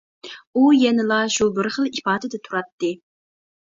ئۇ يەنىلا شۇ بىر خىل ئىپادىدە تۇراتتى.